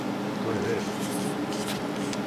То је ред?